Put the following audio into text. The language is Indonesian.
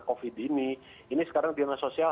covid ini ini sekarang dinas sosial